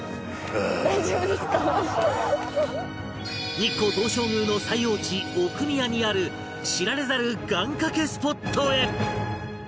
日光東照宮の最奥地奥宮にある知られざる願掛けスポットへ！